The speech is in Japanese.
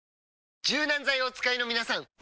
柔軟剤をお使いのみなさん！